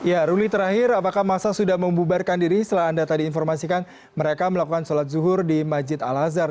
ya ruli terakhir apakah masa sudah membubarkan diri setelah anda tadi informasikan mereka melakukan sholat zuhur di masjid al azhar